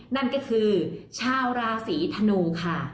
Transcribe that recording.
นั่นก็คือชาวราศีธนูค่ะ